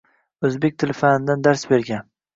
O‘zbek tili fanidan dars bergan.